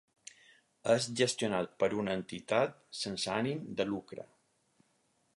És gestionat per una entitat sense ànim de lucre.